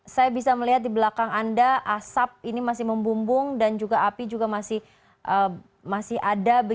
saya bisa melihat di belakang anda asap ini masih membumbung dan juga api juga masih ada